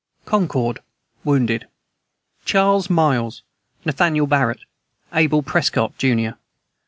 CONCORD. Wounded: Charles Miles, Nathan Barrett, Abel Prescott, jr.